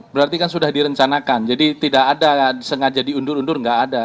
berarti kan sudah direncanakan jadi tidak ada sengaja diundur undur nggak ada